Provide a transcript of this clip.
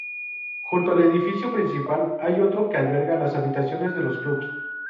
Junto al edificio principal hay otro que alberga las habitaciones de los clubs.